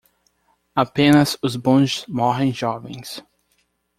Apenas os bons morrem jovens.